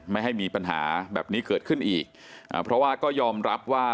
ไม่ให้มีปัญหาแบบนี้เกิดขึ้นอีกอ่าเพราะว่าก็ยอมรับว่า